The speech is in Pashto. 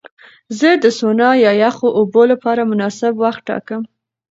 زه د سونا یا یخو اوبو لپاره مناسب وخت ټاکم.